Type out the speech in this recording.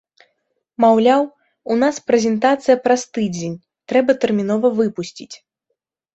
Маўляў, у нас прэзентацыя праз тыдзень, трэба тэрмінова выпусціць.